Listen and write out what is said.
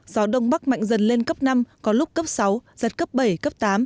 gió đông bắc mạnh dần lên cấp năm có lúc cấp sáu giật cấp bảy cấp tám